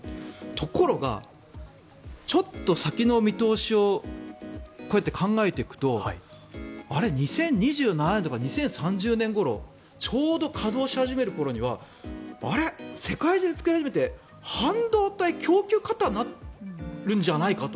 ところが、ちょっと先の見通しをこうやって考えていくと２０２７年とか２０３０年ごろちょうど稼働し始める頃には世界中で作り始めて半導体供給過多になるんじゃないかと。